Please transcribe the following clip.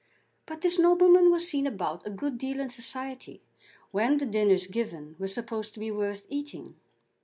But this nobleman was seen about a good deal in society when the dinners given were supposed to be worth eating.